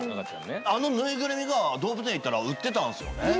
あの縫いぐるみが、動物園行ったら売ってたんですよね。